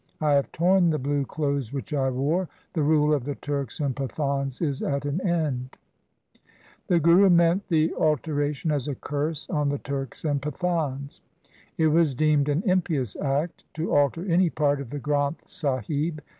I have torn the blue clothes which I wore ; the rule of the Turks and Pathans is at an end. SIKH 1 V P 2io THE SIKH RELIGION The Guru meant the alteration as a curse on the Turks and Pathans. It was deemed an impious act to alter any part of the Granth Sahib.